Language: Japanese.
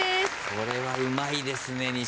これはうまいですね西村さん